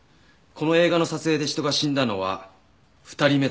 この映画の撮影で人が死んだのは２人目だそうです。